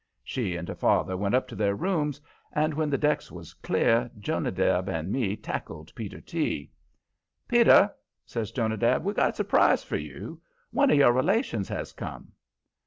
She and her father went up to their rooms, and when the decks was clear Jonadab and me tackled Peter T. "Peter," says Jonadab, "we've got a surprise for you. One of your relations has come."